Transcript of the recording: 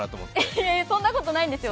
いえいえ、そんなことないんですよ。